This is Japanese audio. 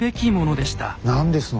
何ですの？